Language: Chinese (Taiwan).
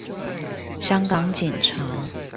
香港警察